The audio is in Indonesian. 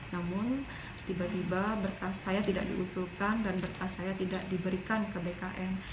namun tiba tiba berkas saya tidak diusulkan dan berkas saya tidak diberikan ke bkn